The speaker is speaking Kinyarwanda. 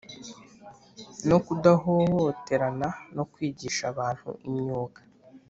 no kudahohoterana no kwigisha abantu imyuga